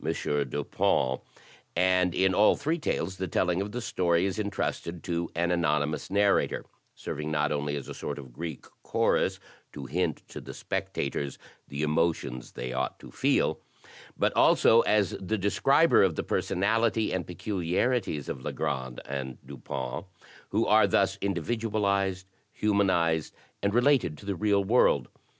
Dupinj and in all three tales the telling of the story is entrusted to an anonymous narrator, serving not only as a sort of Greek chorus to hint to the spectators the emotions they ought to feel, but also as the describer of the personality and peculiarities of Legrand and Dupin, who are thus individualized, humanized, and related to the real world.